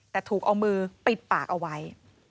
แต่ถูกเอามือปิดปากเอาไว้